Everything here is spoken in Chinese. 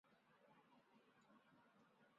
下嫁东阳尉申翊圣。